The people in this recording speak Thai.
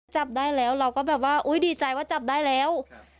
จับได้แล้วเราก็แบบว่าอุ๊ยดีใจว่าจับได้แล้ว